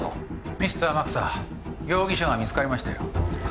ミスター天草容疑者が見つかりましたよ。